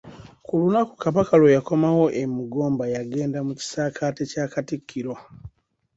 Ku lunaku Kabaka lwe yakomawo e Mugomba yagenda mu kisaakate kya Katikkiro.